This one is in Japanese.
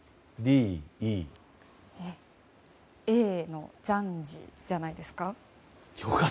Ａの「暫時」じゃないですか。